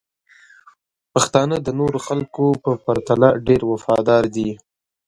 پښتانه د نورو خلکو په پرتله ډیر وفادار دي.